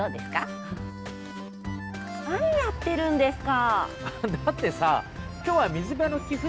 何やってるんですか！